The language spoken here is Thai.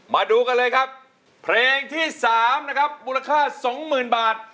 มาดูกันเลยครับเพลงที่๓นะครับมูลค่า๒๐๐๐บาท